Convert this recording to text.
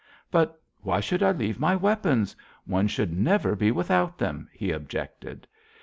"'But why should I leave my weapons? One should never be without them,' he objected.